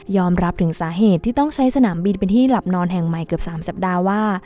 รับถึงสาเหตุที่ต้องใช้สนามบินเป็นที่หลับนอนแห่งใหม่เกือบ๓สัปดาห์ว่า